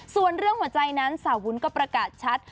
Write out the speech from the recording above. ส่วนเรื่องหัวใจนั้นสาววุ้นก็ประกาศชัด